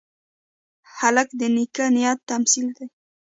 هلک د نیک نیت تمثیل دی.